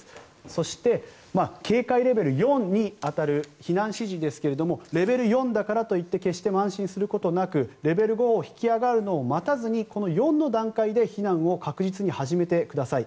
そして、警戒レベル４に当たる避難指示ですがレベル４だからといって決して安心することなくレベル５に引き上がるのを待たずにこの４の段階で避難を確実に始めてください。